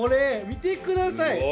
見てください。